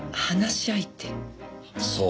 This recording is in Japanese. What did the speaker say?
そう。